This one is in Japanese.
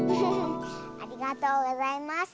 ありがとうございます。